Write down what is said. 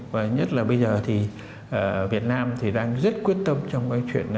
và nhất là bây giờ thì việt nam thì đang rất quyết tâm trong cái chuyện